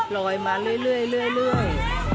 ลอยมาเรื่อย